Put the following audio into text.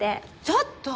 ちょっと！